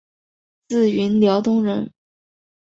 自云辽东人。